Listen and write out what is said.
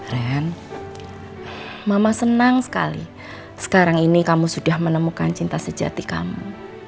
ren mama senang sekali sekarang ini kamu sudah menemukan cinta sejati kamu